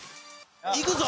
いくぞ！